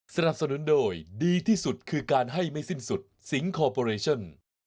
สนับสนุนโดยดีที่สุดคือการให้ไม่สิ้นสุดสิงคอร์ปอเรชั่น